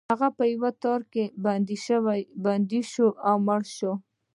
هغه په یو تار کې بنده شوه او مړه شوه.